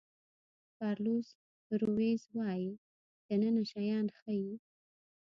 کارلوس رویز وایي کتابونه دننه شیان ښیي.